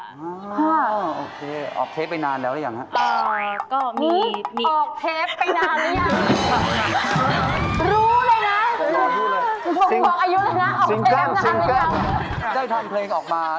ออกเทปไปนานแล้วหรือยังฮะ